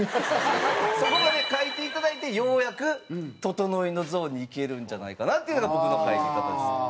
そこまでかいていただいてようやくととのいのゾーンにいけるんじゃないかなっていうのが僕の入り方ですね。